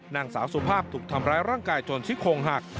นางสาวสุภาพถูกทำร้ายร่างกายจนซี่โครงหัก